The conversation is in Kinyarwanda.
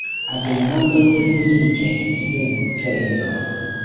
agera impande enye z inkike izengurutse inzu